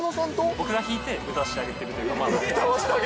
僕が弾いて歌わしてあげてるみたいな。